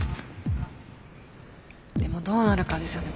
でもどうなるかですよね